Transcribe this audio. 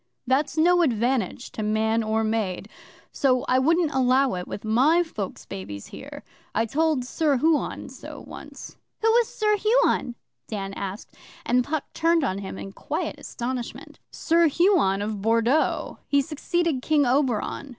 That's no advantage to man or maid. So I wouldn't allow it with my folks' babies here. I told Sir Huon so once.' 'Who was Sir Huon?' Dan asked, and Puck turned on him in quiet astonishment. 'Sir Huon of Bordeaux he succeeded King Oberon.